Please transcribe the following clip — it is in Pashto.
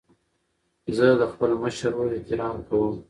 زه د خپل مشر ورور احترام کوم.